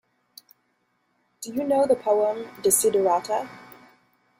Do you know the poem Desiderata?